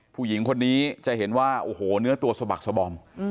ผู้หญิงคนนี้จะเห็นว่าโอ้โหเนื้อตัวสบักสบอม